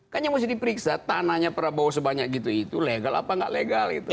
kan yang mesti diperiksa tanahnya prabowo sebanyak gitu itu legal apa nggak legal itu